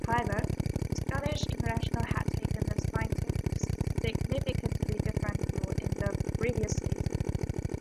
However, the Scottish international had taken a significantly different role in the previous season.